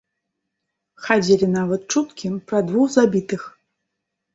Хадзілі нават чуткі пра двух забітых.